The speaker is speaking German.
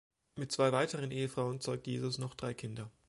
Mit zwei weiteren Ehefrauen zeugt Jesus noch drei Kinder.